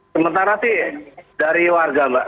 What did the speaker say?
sementara sih dari warga mbak